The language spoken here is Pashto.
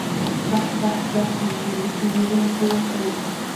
بح بح دا خو يې لويه توره کړې.